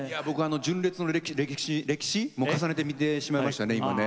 純烈の歴史も重ねて見てしまいましたね。